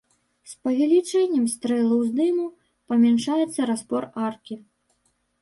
З павелічэннем стрэлы ўздыму памяншаецца распор аркі.